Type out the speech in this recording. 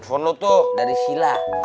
telepon lo tuh dari sila